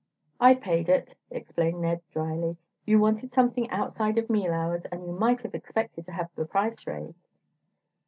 "I paid it," explained Ned, drily. "You wanted something outside of meal hours, and you might have expected to have the price raised."